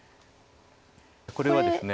これはですね。